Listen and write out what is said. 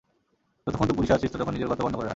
যতক্ষণ তুই পুলিশে আছিস ততক্ষণ নিজের গর্ত বন্ধ করে রাখ।